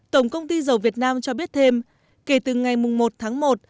tổng công ty dầu việt nam cho biết thêm kể từ ngày một tháng một